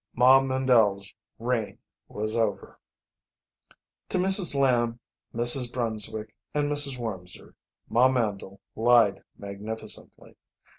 Ma Mandle's reign was over. To Mrs. Lamb, Mrs. Brunswick, and Mrs. Wormser Ma Mandle lied magnificently.